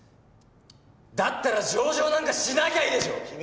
だったら上場なんかしなきゃいいでしょう！